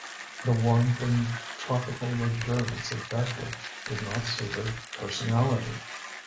The warmth and tropical luxuriance of Beckleigh did not suit her personality.